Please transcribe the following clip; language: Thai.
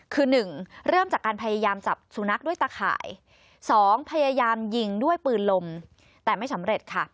คือ๑เริ่มจากการพยายามจับสุนัขด้วยตะข่าย๒พยายามยิงด้วยปืนลมแต่ไม่สำเร็จค่ะ